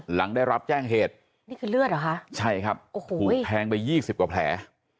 หลังได้รับแจ้งเหตุนี่คือเลือดเหรอคะใช่ครับโอ้โหแทงไปยี่สิบกว่าแผล